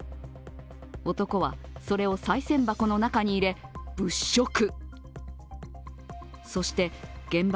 男はそれをさい銭箱の中に入れ、物色。